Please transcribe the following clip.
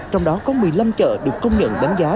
trong đó có một mươi năm chợ được công nhận đánh giá